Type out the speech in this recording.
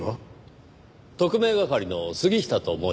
特命係の杉下と申します。